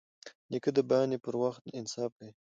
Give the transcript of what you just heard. نیکه د بانې پر وخت انصاف کوي.